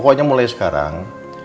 pokoknya mulai sekarang